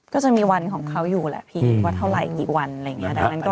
ก็จะมีวันของเขาอยู่แหละพี่ว่าเท่าไหร่กี่วันอะไรอย่างนี้